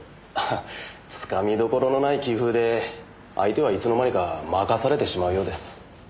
ああ掴みどころのない棋風で相手はいつの間にか負かされてしまうようです。